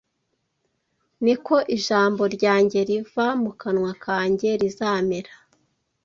Ni ko ijambo ryanjye riva mu kanwa kanjye rizamera